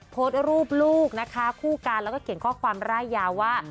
โพสต์รูปลูกนะคะคู่กันแล้วก็เขียนข้อความร่ายยาวว่า